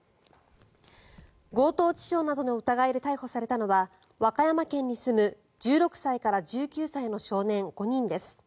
強盗致傷などの疑いで逮捕されたのは和歌山県に住む１６歳から１９歳の少年５人です。